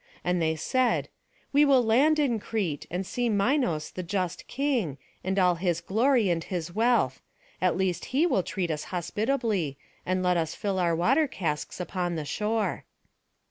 And they said, "We will land in Crete, and see Minos the just king, and all his glory and his wealth; at least he will treat us hospitably, and let us fill our water casks upon the shore."